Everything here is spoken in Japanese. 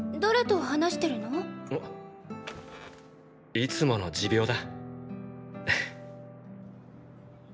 いつもの持病だ。